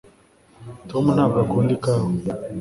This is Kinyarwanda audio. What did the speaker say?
tom ntabwo akunda ikawa